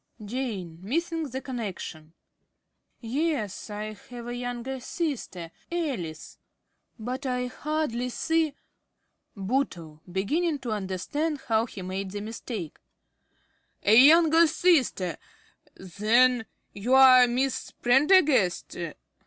~Jane~ (missing the connection). Yes, I have a younger sister, Alice. (Coldly.) But I hardly see ~Bootle~ (beginning to understand how he made the mistake). A younger sister! Then you are Miss Prendergast?